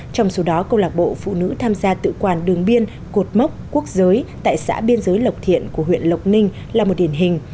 trong số đó câu lạc bộ phụ nữ tham gia tự quản đường biên cột mốc quốc giới tại xã biên giới lộc thiện của huyện lộc ninh là một điển hình